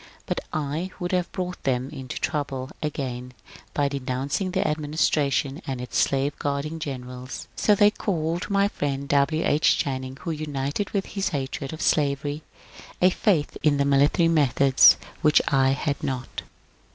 But I would have brought them into trouble again by denouncing the administration and its slave guarding generals. So they called my friend W. H. Channing, who united with his hatred of slavery a faith in military methods which I had not.